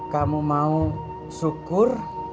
kamu mau syukur